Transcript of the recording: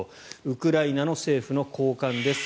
ウクライナの政府の高官です。